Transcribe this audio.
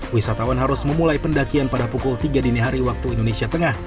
wisatawan harus memulai pendakian pada pukul tiga dini hari waktu indonesia tengah